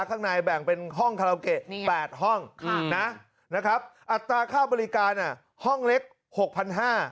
ข้างในแบ่งเป็นห้องคาราเกะ๘ห้องอัตราค่าบริการห้องเล็ก๖๕๐๐บาท